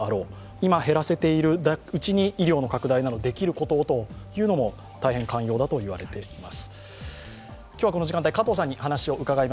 今減らせているうちに医療の拡大など、できることをというのも大変簡要だと言われています。